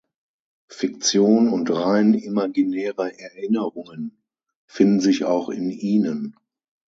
Fiktion und rein imaginäre Erinnerungen finden sich auch in ihnen.